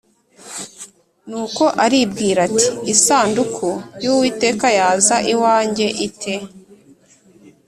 Nuko aribwira ati “Isanduku y’Uwiteka yaza iwanjye ite?”